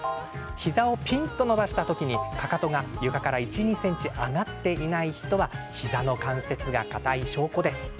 膝をピンと伸ばした時にかかとが床から１、２ｃｍ上がっていない人は膝の関節が硬い証拠です。